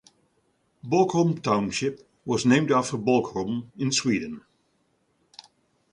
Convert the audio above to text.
Borgholm Township was named after Borgholm, in Sweden.